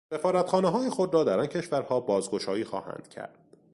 سفارتخانههای خود را در آن کشورها بازگشایی خواهند کرد.